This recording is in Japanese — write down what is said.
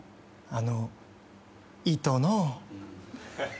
あの『糸』の。